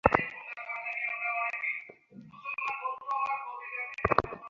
তাহার মন বজ্রনাদে বলিয়া উঠিল, না, এ কখনোই হইতে পারে না!